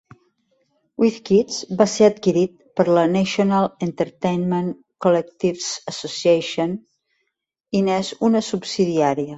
WizKids va ser adquirit per la National Entertainment Collectibles Association i n'és una subsidiària.